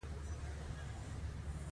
مسلکي انجینر پوهه او مهارت لري.